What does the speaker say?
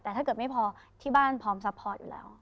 แต่ถ้าเกิดไม่พอที่บ้านพร้อมซัพพอร์ตอยู่แล้ว